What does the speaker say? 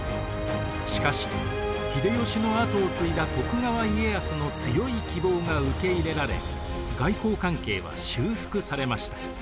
しかし秀吉の跡を継いだ徳川家康の強い希望が受け入れられ外交関係は修復されました。